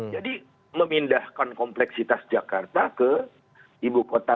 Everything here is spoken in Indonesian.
jadi memindahkan kompleksitas jakarta ke ibu kota